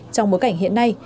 trong bối cảnh hiện nay